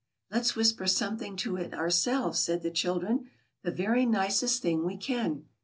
^^ ^^Let's whisper something to it ourselves,'' said the children, "the very nicest thing we can."